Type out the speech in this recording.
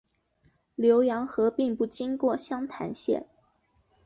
浏阳河并不经过湘潭县。